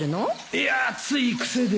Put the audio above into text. いやつい癖で。